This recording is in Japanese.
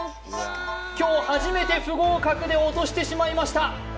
今日初めて不合格で落としてしまいましたあ